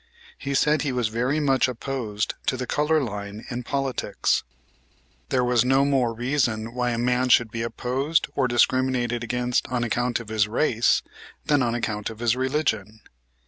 He said he was very much opposed to the color line in politics. There was no more reason why a man should be opposed or discriminated against on account of his race than on account of his religion.